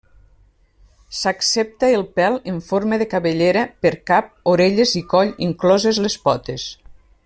S'accepta el pèl en forma de cabellera per cap, orelles i coll, incloses les potes.